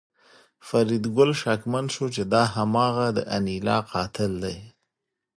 فریدګل شکمن شو چې دا هماغه د انیلا قاتل دی